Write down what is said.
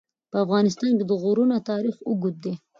په افغانستان کې د غرونه تاریخ اوږد دی.